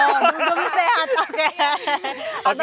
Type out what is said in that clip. oh dugem sehat oke